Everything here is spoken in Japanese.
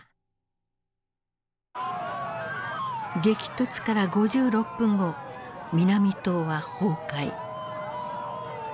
激突から５６分後南棟は崩壊。